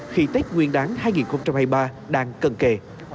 khi tết nguyên đáng hai nghìn hai mươi ba đang cận kề